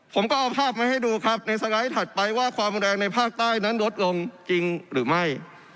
ผมก็เอาภาพมาให้ดูครับในสไลด์ถัดไปว่าความแรงในภาคใต้นั้นลดลงจริงหรือไม่